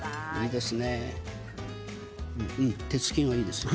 手つきがいいですよ。